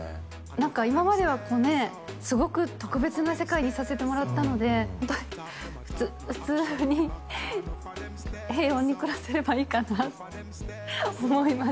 何か今まではこうねすごく特別な世界にいさせてもらったのでホントに普通に平穏に暮らせればいいかなと思います